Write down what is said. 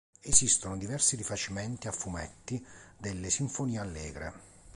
Esistono diversi rifacimenti a fumetti delle "Sinfonie allegre".